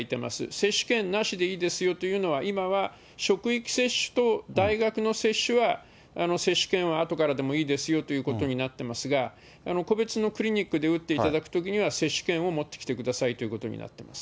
接種券なしでいいですよというのは、今は職域接種と大学の接種は、接種券は後からでもいいですよということになっていますが、個別のクリニックで打っていただくときには、接種券を持ってきてくださいということになっています。